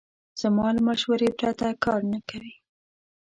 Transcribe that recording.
زما له مشورې پرته کار نه کوي.